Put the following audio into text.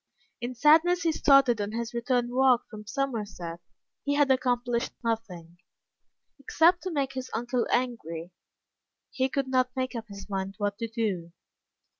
In sadness he started on his return walk from Somerset. He had accomplished nothing except to make his uncle angry. He could not make up his mind what to do.